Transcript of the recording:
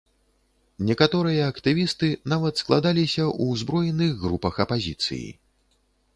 Некаторыя актывісты нават складаліся ў узброеных групах апазіцыі.